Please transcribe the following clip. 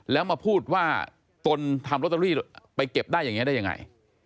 แล้วมาพูดว่าตนทำลอตเตอรี่ไปเก็บได้อย่างนี้ได้ยังไง